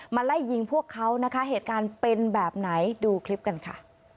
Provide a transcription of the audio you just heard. ไล่ยิงพวกเขานะคะเหตุการณ์เป็นแบบไหนดูคลิปกันค่ะ